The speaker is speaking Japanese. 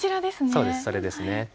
そうですそれですね。